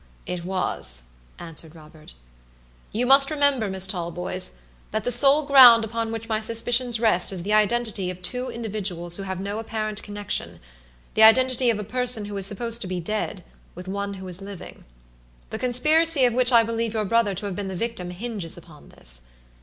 "It was," answered Robert. "You must remember, Miss Talboys that the sole ground upon which my suspicions rest is the identity of two individuals who have no apparent connectionthe identity of a person who is supposed to be dead with one who is living. The conspiracy of which I believe your brother to have been the victim hinges upon this.